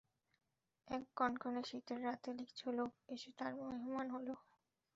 এক কনকনে শীতের রাতে কিছু লোক এসে তার মেহমান হল।